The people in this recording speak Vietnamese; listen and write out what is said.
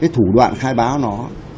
thủ đoạn khai báo nó